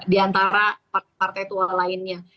di antara partai partai tua lainnya